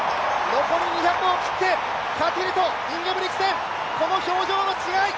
残り２００を切って、カティルとインゲブリクセン、この表情の違い。